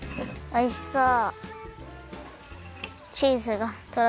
おいしそう！